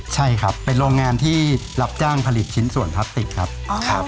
ใช่ครับเป็นโรงงานที่รับจ้างผลิตชิ้นส่วนพลาสติกครับ